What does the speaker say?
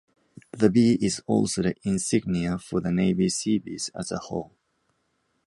The bee is also the insignia for the Navy Seabees as a whole.